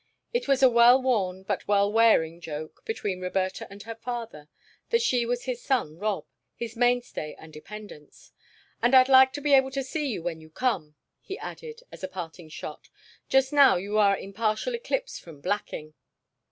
It was a well worn, but well wearing, joke between Roberta and her father that she was his son Rob, his mainstay and dependence. "And I'd like to be able to see you when you come," he added, as a parting shot. "Just now you are in partial eclipse from blacking."